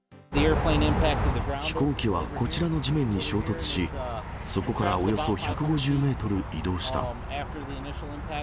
飛行機はこちらの地面に衝突し、そこからおよそ１５０メートル移動した。